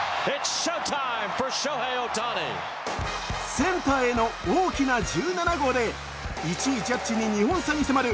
センターへの大きな１７号で、一位、ジャッジに２本差に迫る